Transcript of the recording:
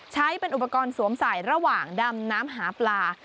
ใช้เป็นอุปกรณ์สวมใส่ระหว่างดำน้ำหาปลา